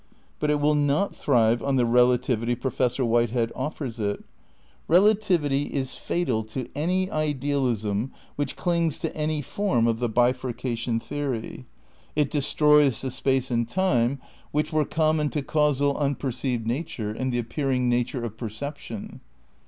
But it will not thrive on the relativity Pro fessor Whitehead offers it. Relativity is fatal to any idealism which clings to any form of the bifurcation theory. It destroys the space and time which were ' The Concept of Nature, p. 41. 90 THE NEW IDEALISM in oominon to causal unperceived nature and the appear ing nature of perception.